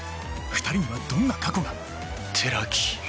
２人にはどんな過去が寺木。